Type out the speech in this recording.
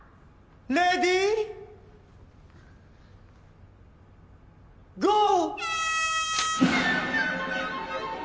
レディーゴー！